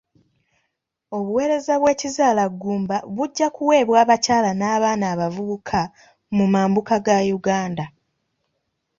Obuweereza bw'ekizaalaggumba bujja kuweebwa abakyala n'abaana abavubuka mu mambuka ga Uganda.